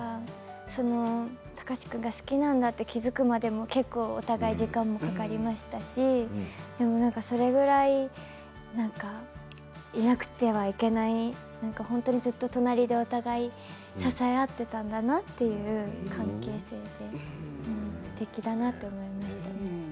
貴司君が好きなんだって気付くまでお互い時間もかかりましたしそれぐらいなんかいなくてはいけない本当にずっと隣でお互いに支え合っていたんだなっていう関係性ですてきだなと思いました。